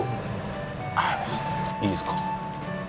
いいですか？